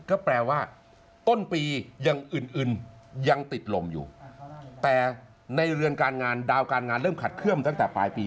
ก็แปลว่าต้นปีอย่างอื่นยังติดลมอยู่แต่ในเรือนการงานดาวการงานเริ่มขัดเคลื่อมตั้งแต่ปลายปี